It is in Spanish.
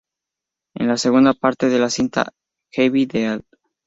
Es la segunda parte de la cinta "The Evil Dead".